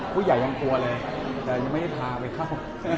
ผู้ใหญ่ยังกลัวเลยแต่ยังไม่ได้พาไปเข้า